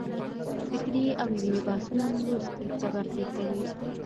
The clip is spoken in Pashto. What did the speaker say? فکري او علمي بحثونه مو لوستې طبقې کوي.